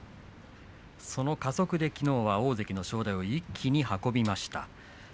その加速できのうは一気に正代を運びました。